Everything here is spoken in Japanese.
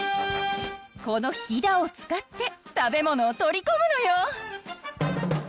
このひだをつかって食べ物をとりこむのよ！